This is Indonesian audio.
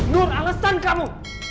nur alasan kamu